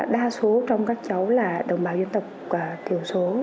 đa số trong các cháu là đồng bào dân tộc thiểu số